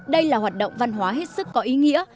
đây là hoạt động văn hóa hết sức có ý nghĩa